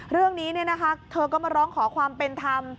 เรื่องนี้เธอก็มาร้องขอความเป็นธรรม